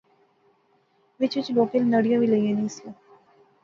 وچ وچ لوکیں نڑیاں وی لایاں نیاں سیاں